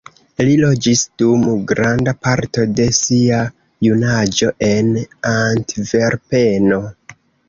Li loĝis dum granda parto de sia junaĝo en Antverpeno.